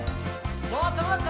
もっともっと！